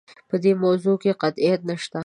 په دې موضوع کې قطعیت نشته.